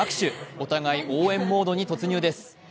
お互い、応援モードに突入です。